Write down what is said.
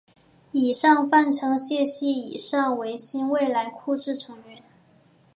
以上泛称谢系以上为新未来智库成员。